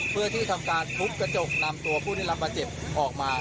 เพื่อที่ทำการทุบกระจกนำตัวผู้ได้รับบาดเจ็บออกมา